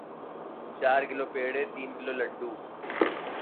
They also have the power of telepathy and mind control.